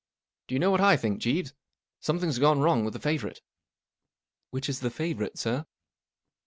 " Do yon know what I think, Jeeves ? Something's gone wrong with the favourite." *' Which is the favourite, sir